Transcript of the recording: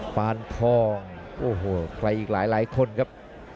ฟ้านพร่องโอ้โหใกล้อีกหลายหลายคนครับ